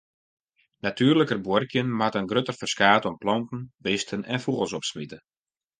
Natuerliker buorkjen moat in grutter ferskaat oan planten, bisten en fûgels opsmite.